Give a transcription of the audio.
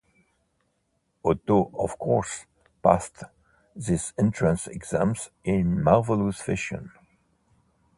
Otto, of course, passed these entrance exams in marvelous fashion.